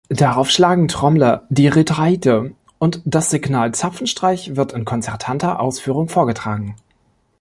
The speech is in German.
Darauf schlagen Trommler die Retraite, und das Signal „Zapfenstreich“ wird in konzertanter Ausführung vorgetragen.